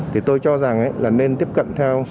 thì tôi cho rằng là nên tiếp cận theo